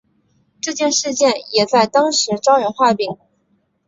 这起事件也在当时招人话柄。